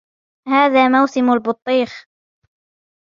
هذا موسم البطيخ.